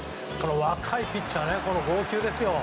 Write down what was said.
若いピッチャーの投球ですよ。